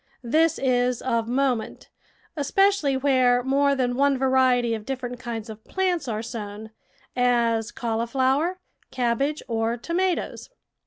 This is of moment, especially where more than one variety of different kinds of plants are sown — as cauliflower, cabbage, or tomatoes.